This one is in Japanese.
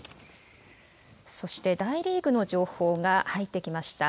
そして大リーグの情報が入ってきました。